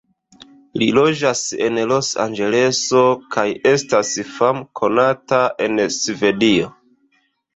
Li loĝas en Los-Anĝeleso kaj estas famkonata en Svedio.